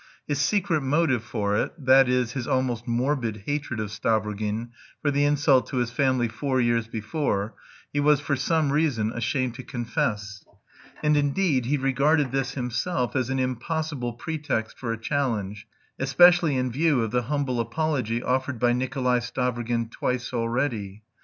His secret motive for it, that is, his almost morbid hatred of Stavrogin for the insult to his family four years before, he was for some reason ashamed to confess. And indeed he regarded this himself as an impossible pretext for a challenge, especially in view of the humble apology offered by Nikolay Stavrogin twice already.